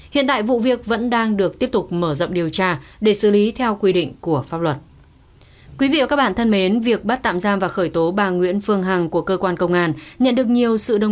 hãy đăng ký kênh để ủng hộ kênh của chúng mình nhé